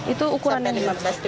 itu ukuran yang besar